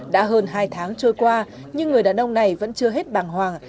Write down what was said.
đã hơn hai tháng trôi qua nhưng người đàn ông này vẫn chưa hết bàng hoàng